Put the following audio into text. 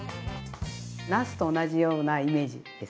なすと同じようなイメージです